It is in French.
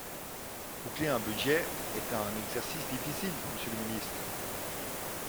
Boucler un budget est un exercice difficile, monsieur le ministre.